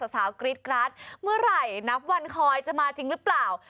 สาวกรี๊ดกราดเมื่อไหร่นับวันคอยจะมาจริงหรือเปล่า